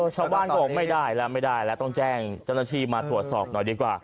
ชาวบ้านก็บอกไม่ได้แล้วไม่ได้แล้วต้องแจ้งเจ้าหน้าที่มาตรวจสอบหน่อยดีกว่า